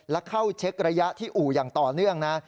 และเข้าเช็กระยะที่อู่อย่างต่อเนื่องนะ